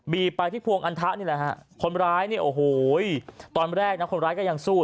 ไปที่พวงอันทะนี่แหละฮะคนร้ายเนี่ยโอ้โหตอนแรกนะคนร้ายก็ยังสู้